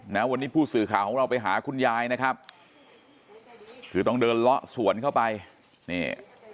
นะวันนี้ผู้สื่อข่าวของเราไปหาคุณยายนะครับคือต้องเดินเลาะสวนเข้าไปนี่